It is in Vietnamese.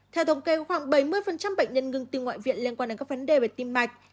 theo thống kê khoảng bảy mươi bệnh nhân ngừng tim ngoại viện liên quan đến các vấn đề về tim mạch